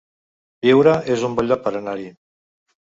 Biure es un bon lloc per anar-hi